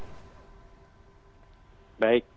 ini adalah momen yang paling penting